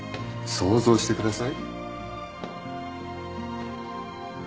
想像してください。